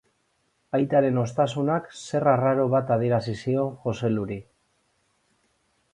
Aitaren hoztasunak zer arraro bat adierazi zion Joseluri.